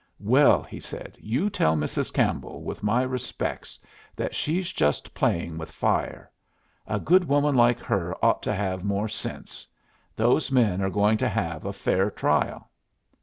"Well," he said, "you tell Mrs. Campbell, with my respects, that she's just playing with fire. A good woman like her ought to have more sense. Those men are going to have a fair trial."